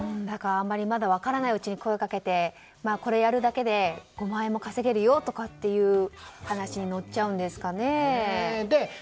あまりまだ分からないうちに声をかけてこれやるだけで５万円も稼げるよという話に乗っちゃうんですかね。